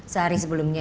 sehari sebelumnya ya